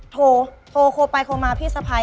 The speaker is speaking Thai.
โทรโทรไปโทรมาพี่สะพาย